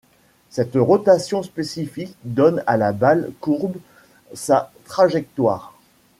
Cette rotation spécifique donne à la balle courbe sa trajectoire.